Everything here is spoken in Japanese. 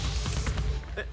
えっ？